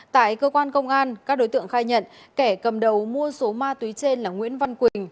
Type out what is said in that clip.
tại cơ quan công an các đối tượng khai nhận kẻ cầm đầu mua số ma túy trên là nguyễn văn quỳnh